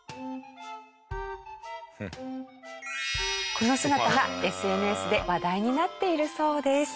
この姿がＳＮＳで話題になっているそうです。